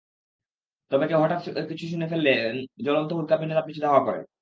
তবে কেউ হঠাৎ কিছু শুনে ফেললে জুলন্ত উল্কাপিণ্ড তার পিছু ধাওয়া করে।